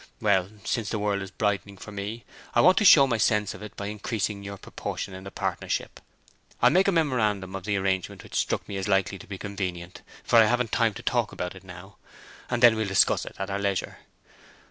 Well, since the world is brightening for me, I want to show my sense of it by increasing your proportion in the partnership. I'll make a memorandum of the arrangement which struck me as likely to be convenient, for I haven't time to talk about it now; and then we'll discuss it at our leisure.